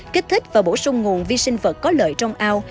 kích thích và bổ sung nguồn vi sinh vật có lợi trong ao